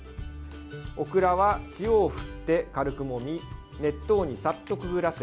オクラは塩を振って軽くもみ熱湯にさっとくぐらせ